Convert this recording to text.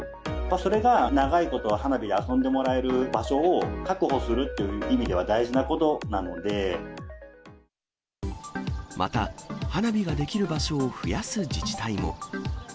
それが長いこと花火で遊んでもらえる場所を確保するっていう意味また、花火ができる場所を増やす自治体も。